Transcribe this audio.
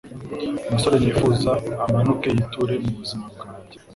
umusore nifuza amanuke yiture mu buzima bwange